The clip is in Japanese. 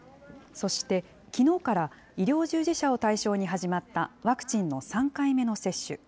そして、きのうから医療従事者を対象に始まったワクチンの３回目の接種。